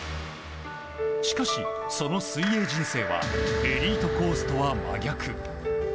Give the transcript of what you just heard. しかし、その水泳人生はエリートコースとは真逆。